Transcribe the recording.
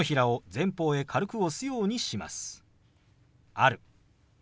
「ある」。